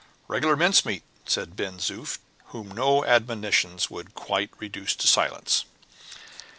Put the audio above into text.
"Regular mincemeat!" said Ben Zoof, whom no admonitions could quite reduce to silence.